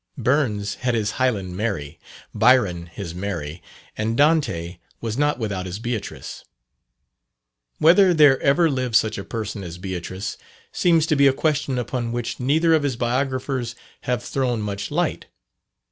Burns had his Highland Mary, Byron his Mary, and Dante was not without his Beatrice. Whether there ever lived such a person as Beatrice seems to be a question upon which neither of his biographers have thrown much light.